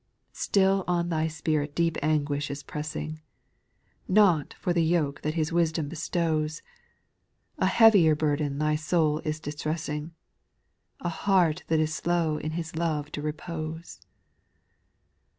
.'/ 6. Still on thy spirit deep anguish is pressing — J^oifoT the yoke that His wisdom bestows, SPIRITUAL SONGS 213 A heavier burden thy soul is distressing, A heart that is slow in His love to repose ;—/ 7.